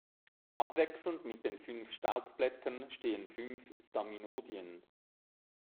Abwechselnd mit den fünf Staubblättern stehen fünf Staminodien.